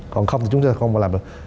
còn không thì chúng ta không làm được